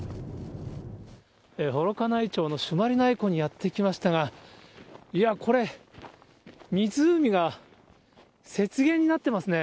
幌加内町の朱鞠内湖にやって来ましたが、いや、これ、湖が雪原になってますね。